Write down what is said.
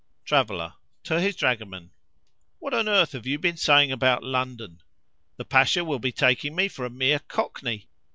Traveller (to his dragoman).—What on earth have you been saying about London? The Pasha will be taking me for a mere cockney.